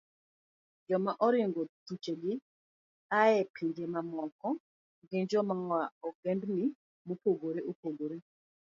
Joma oringo thuchegi a e pinje mamoko gin joma oa e ogendni mopogore opogore.